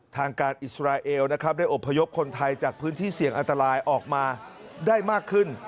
ทางการอิสราเอลนะครับได้อบพยพคนไทยจากพื้นที่เสี่ยงอันตรายออกมาได้มากขึ้น